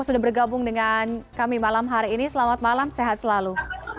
sudah bergabung dengan kami malam hari ini selamat malam sehat selalu